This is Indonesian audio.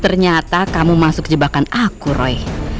ternyata kamu masuk jebakan aku roy